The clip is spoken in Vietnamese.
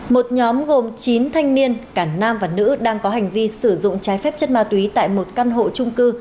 một nhóm gồm chín thanh niên cả nam và nữ đang có hành vi sử dụng trái phép chất ma túy tại một căn hộ trung cư